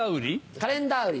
カレンダー売り。